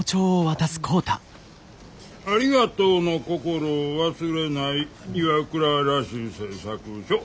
ありがとうの心を忘れない岩倉螺子製作所。